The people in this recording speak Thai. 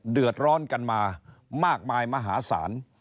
เดือดร้อนกันมามากมายมหาศาล